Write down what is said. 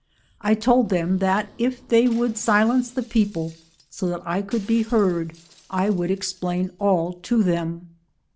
J told them that if they would silence the people, so that I could be heard, 1 would explain all to them.